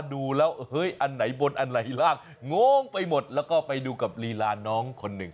ดูแล้วเฮ้ยอันไหนบนอันไหนล่างงไปหมดแล้วก็ไปดูกับลีลาน้องคนหนึ่ง